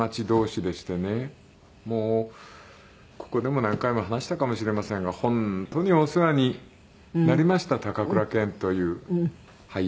もうここでも何回も話したかもしれませんが本当にお世話になりました高倉健という俳優さんには。